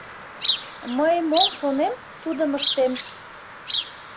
— Мый мом шонем, тудым ыштем.